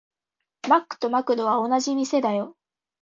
マックとマクドは同じ店だよ。